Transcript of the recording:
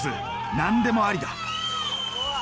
何でもありだ。